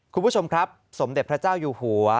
คุณผู้ชมครับสมเด็จพระเจ้าอยู่หัว